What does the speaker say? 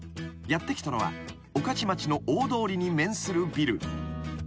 ［やって来たのは御徒町の大通りに面するビル］